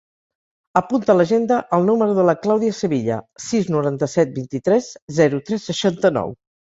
Apunta a l'agenda el número de la Clàudia Sevilla: sis, noranta-set, vint-i-tres, zero, tres, seixanta-nou.